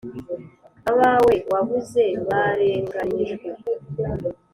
Abawe wabuze barenganyijwe